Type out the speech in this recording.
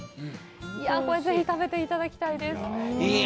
これぜひ食べていただきたいです。